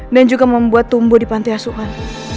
dan juga membuat tumbuh di pantai asuhan